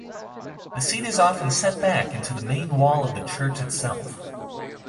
The seat is often set back into the main wall of the church itself.